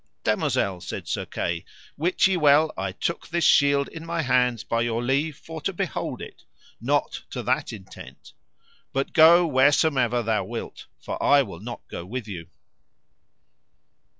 Damosel, said Sir Kay, wit ye well I took this shield in my hands by your leave for to behold it, not to that intent; but go wheresomever thou wilt, for I will not go with you.